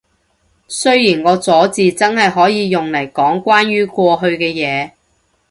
雖然個咗字真係可以用嚟講關於過去嘅嘢